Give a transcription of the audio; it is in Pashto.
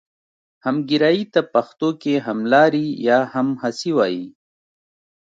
همګرایي ته پښتو کې هملاري یا همهڅي وايي.